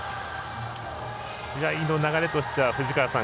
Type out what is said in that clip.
試合の流れとしては藤川さん